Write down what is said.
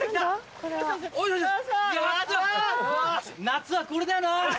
夏はこれだよな！